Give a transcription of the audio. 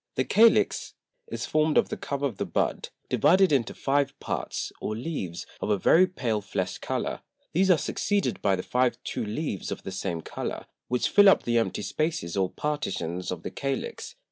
The Calix is formed of the Cover of the Bud, divided into five Parts, or Leaves, of a very pale flesh colour. These are succeeded by the five true Leaves of the same Colour, which fill up the empty Spaces or Partitions of the Calix.